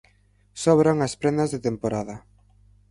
Sobran as prendas de temporada.